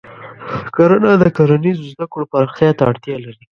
کرنه د کرنیزو زده کړو پراختیا ته اړتیا لري.